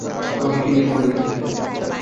আমাকে কী দিয়ে ফোন করেছিলে?